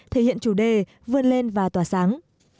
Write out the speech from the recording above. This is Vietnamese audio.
thể hiện chủ đề vươn lên và tỏa sáng